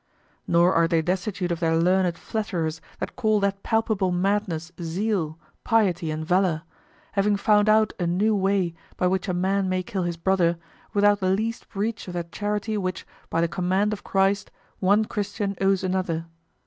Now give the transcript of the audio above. Nor are they destitute of their learned flatterers that call that palpable madness zeal, piety, and valor, having found out a new way by which a man may kill his brother without the least breach of that charity which, by the command of Christ, one Christian owes another.